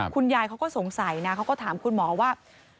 คุณยายเขาก็สงสัยนะเขาก็ถามคุณหมอว่า